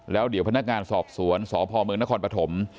แล้วเดี๋ยวพนักงานสอบสวนสพเมืองนครปฐม